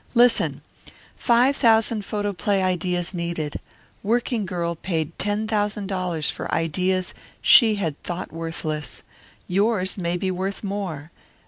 "Listen! 'Five thousand photoplay ideas needed. Working girl paid ten thousand dollars for ideas she had thought worthless. Yours may be worth more.